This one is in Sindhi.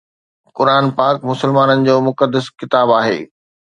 قرآن پاڪ مسلمانن جو مقدس ڪتاب آهي